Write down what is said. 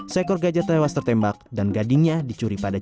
sekor gajah tewas tertembak dan gadingnya dicuri pada jalan